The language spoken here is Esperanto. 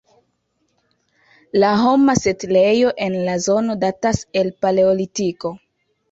La homa setlejo en la zono datas el paleolitiko.